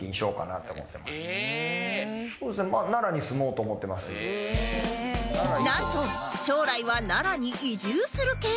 なんと将来は奈良に移住する計画が